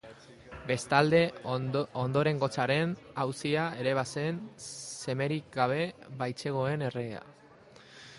Bestalde, ondorengotzaren auzia ere bazen, semerik gabe baitzegoen erregea.